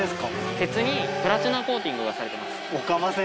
鉄にプラチナコーティングがされてます。